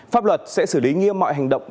pháp luật sẽ xử lý nghiêm mọi hành động